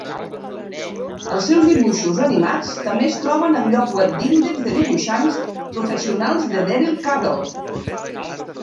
Els seus dibuixos animats també es troben al lloc web d'índex de dibuixants professionals de Daryl Cagle.